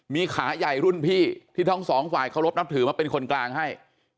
มีขาใหญ่รุ่นพี่ที่ทั้งสองฝ่ายเคารพนับถือมาเป็นคนกลางให้